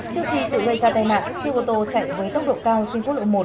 trước khi tự gây ra tai nạn chiếc ô tô chạy với tốc độ cao trên quốc lộ một